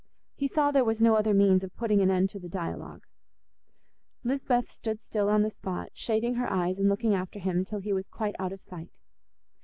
He saw there was no other means of putting an end to the dialogue. Lisbeth stood still on the spot, shading her eyes and looking after him till he was quite out of sight.